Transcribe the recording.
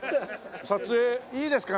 撮影いいですかね？